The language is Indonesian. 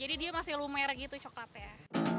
jadi dia masih lumere gitu coklatnya